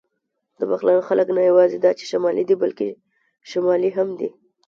د بغلان خلک نه یواځې دا چې شمالي دي، بلکې شمالي هم دي.